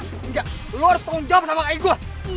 enggak lu harus tanggung jawab sama kakak gue